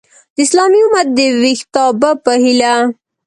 د اسلامي امت د ویښتابه په هیله!